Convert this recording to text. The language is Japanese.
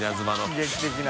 刺激的な。